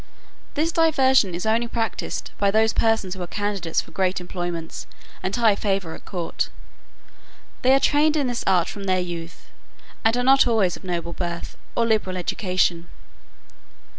This diversion is only practised by those persons who are candidates for great employments, and high favour at court. They are trained in this art from their youth, and are not always of noble birth, or liberal education.